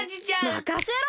まかせろ！